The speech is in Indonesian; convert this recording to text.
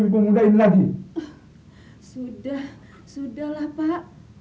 sudah sudahlah pak